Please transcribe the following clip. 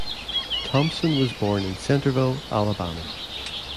Thompson was born in Centreville, Alabama.